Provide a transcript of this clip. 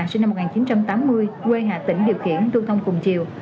sinh năm một nghìn chín trăm tám mươi quê hà tĩnh điều khiển lưu thông cùng chiều